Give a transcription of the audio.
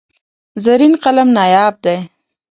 زرین قلم نایاب دی.